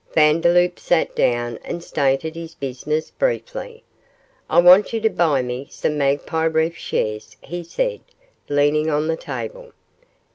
Vandeloup sat down and stated his business briefly. 'I want you to buy me some Magpie Reef shares,' he said, leaning on the table.